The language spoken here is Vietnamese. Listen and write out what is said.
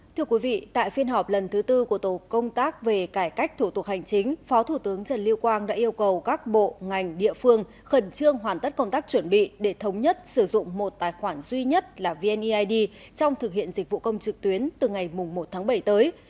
thưa quý vị tại phiên họp lần thứ tư của tổ công tác về cải cách thủ tục hành chính phó thủ tướng trần liêu quang đã yêu cầu các bộ ngành địa phương khẩn trương hoàn tất công tác chuẩn bị để thống nhất sử dụng một tài khoản duy nhất là vneid trong thực hiện dịch vụ công trực tuyến từ ngày một tháng bảy tới